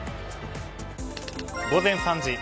午前３時。